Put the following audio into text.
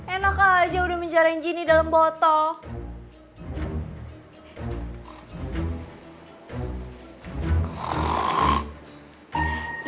enak aja udah menjarain jeannie dalam botol